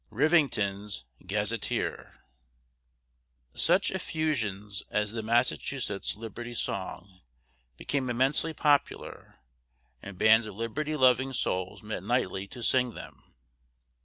Rivington's Gazetteer. Such effusions as the "Massachusetts Liberty Song" became immensely popular, and bands of liberty loving souls met nightly to sing them.